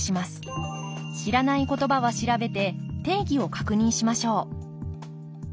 知らないことばは調べて定義を確認しましょう